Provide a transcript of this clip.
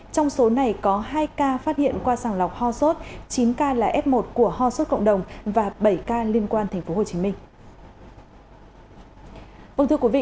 trong số này có hai ca phát hiện qua sàng lọc ho sốt chín ca là f một của ho sốt cộng đồng và bảy ca liên quan tp hcm